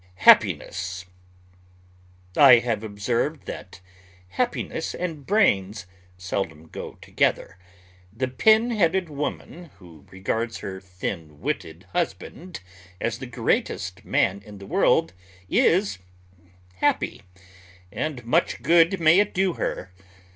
HAPPINESS I have observed that happiness and brains seldom go together. The pin headed woman who regards her thin witted husband as the greatest man in the world, is happy, and much good may it do her.